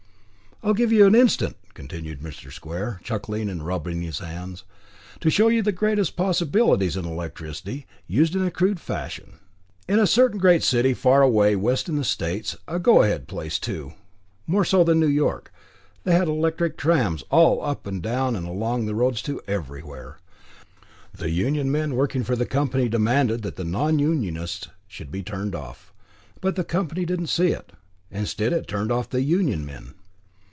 "I'll give you an instance," continued Mr. Square, chuckling and rubbing his hands, "to show you the great possibilities in electricity, used in a crude fashion. In a certain great city away far west in the States, a go ahead place, too, more so than New York, they had electric trams all up and down and along the roads to everywhere. The union men working for the company demanded that the non unionists should be turned off. But the company didn't see it. Instead, it turned off the union men.